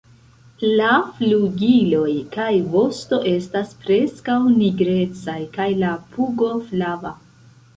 La flugiloj kaj vosto estas preskaŭ nigrecaj kaj la pugo flava.